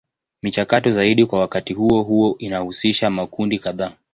Michakato zaidi kwa wakati huo huo inahusisha makundi kadhaa.